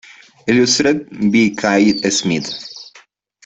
Illustrated by Kay Smith.